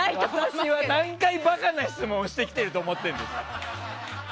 私は何回、バカな質問をしてきてると思ってるの？